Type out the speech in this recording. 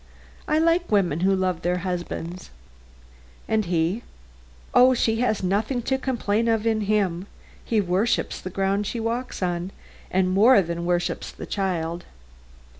I like women who love their husbands." "And he?" "Oh, she has nothing to complain of in him. He worships the ground she walks on; and he more than worshiped the child."